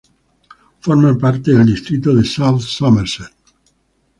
Forma parte del distrito de South Somerset.